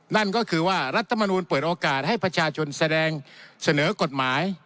นั่นก็คือว่ารัฐมนูลเปิดโอกาสให้ประชาชนแสดงเสนอกฎหมาย